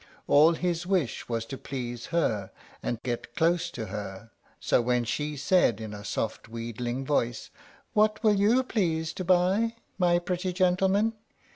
All his wish was to please her, and get close to her; so when she said, in a soft, wheedling voice, "What will you please to buy, my pretty gentleman?"